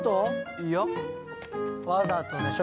いや。わざとでしょ！